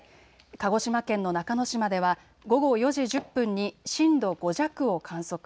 鹿児島県の中之島では午後４時１０分に震度５弱を観測。